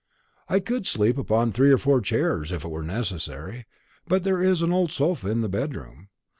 "I could sleep upon three or four chairs, if it were necessary; but there is an old sofa in the bedroom.